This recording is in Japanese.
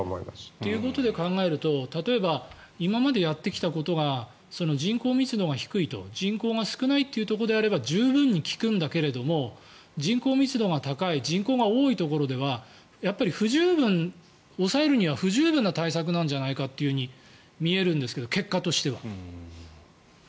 ということで考えると例えば今までやってきたことが人口密度が低いと人口が少ないというところであれば十分に効くんだけれども人口密度が高い人口が多いところでは抑えるには不十分な対策じゃないかと見えるんですけど結果としては。